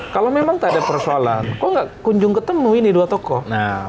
kalau memang tak ada persoalan kok nggak kunjung ketemu ini dua tokoh